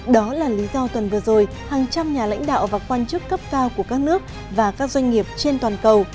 đó là lý do tuần vừa rồi hàng trăm nhà lãnh đạo và quan chức cấp cao của các nước và các doanh nghiệp trên toàn cầu